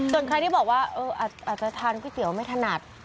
ส่วนใครที่บอกว่าอาจจะทานก๋วยเตี๋ยวไม่ถนัด